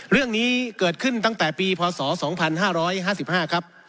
เรื่องนี้เกิดขึ้นตั้งแต่ปีพศ๒๕๕๕ครับ